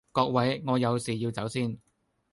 各位我有事要走先